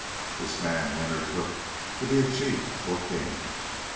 This man Leonard took to be a chief or king.